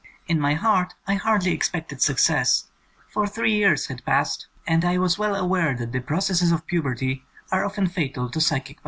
In my heart I hardly expected success, for three years had passed, and I was well aware that the proc esses of puberty a^ often fatal to psychic power.